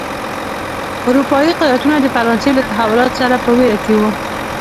اروپايي قدرتونه د فرانسې له تحولاتو څخه په وېره کې و.